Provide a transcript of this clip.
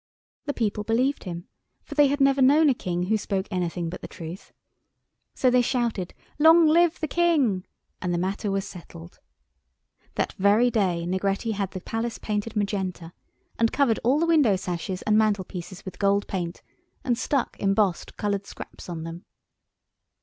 The people believed him, for they had never known a King who spoke anything but the truth. So they shouted, "Long live the King!" and the matter was settled. That very day Negretti had the Palace painted magenta, and covered all the window sashes and mantelpieces with gold paint, and stuck embossed coloured scraps on them.